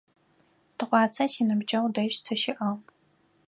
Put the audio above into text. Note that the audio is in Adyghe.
Тыгъуасэ синыбджэгъу дэжь сыщыӏагъ.